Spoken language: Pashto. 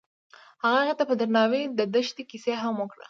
هغه هغې ته په درناوي د دښته کیسه هم وکړه.